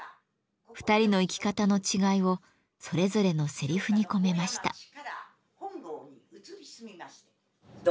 ２人の生き方の違いをそれぞれのせりふに込めました。